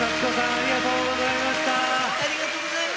ありがとうございます。